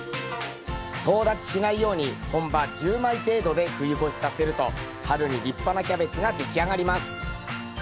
とう立ちしないように本葉１０枚程度で冬越しさせると春に立派なキャベツが出来上がります。